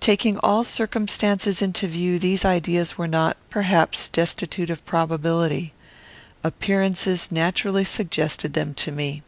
Taking all circumstances into view, these ideas were not, perhaps, destitute of probability. Appearances naturally suggested them to me.